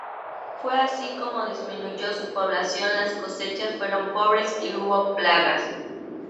Fue así como disminuyó su población, las cosechas fueron pobres y hubo plagas.